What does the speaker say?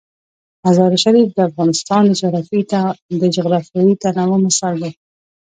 مزارشریف د افغانستان د جغرافیوي تنوع مثال دی.